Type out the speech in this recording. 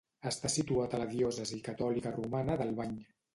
Està situat a la Diòcesi Catòlica Romana d'Albany.